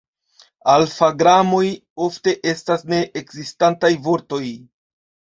Alfa-gramoj ofte estas ne-ekzistantaj vortoj.